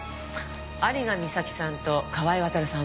有賀美咲さんと川井渉さん